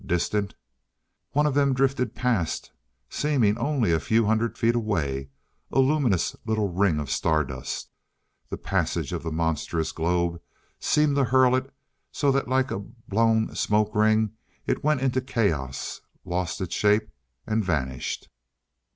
Distant? One of them drifted past, seemingly only a few hundred feet away a luminous little ring of star dust. The passage of the monstrous globe seemed to hurl it so that like a blown smoke ring it went into chaos, lost its shape, and vanished.